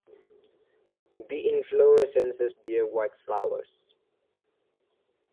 The inflorescences bear white flowers.